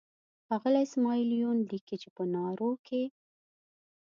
ښاغلی اسماعیل یون لیکي چې په نارو کې.